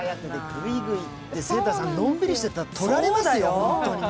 晴太さん、のんびりしてたら取られますよ？